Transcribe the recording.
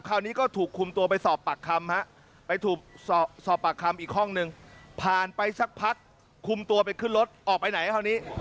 คราวนี้ก็ถูกคุมตัวไปสอบปากคำฮะไปถูกสอบปากคำอีกห้องนึงผ่านไปสักพักคุมตัวไปขึ้นรถออกไปไหนคราวนี้